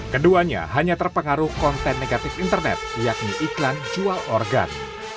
keduanya hanya terpengaruh konten negatif internet yakni iklan jual organ